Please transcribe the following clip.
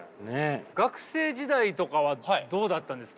学生時代とかはどうだったんですか？